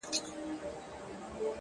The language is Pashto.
چي بیا به څو درجې ستا پر خوا کږيږي ژوند